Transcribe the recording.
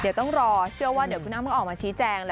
เดี๋ยวต้องรอเชื่อว่าเดี๋ยวคุณอ้ำเขาออกมาชี้แจง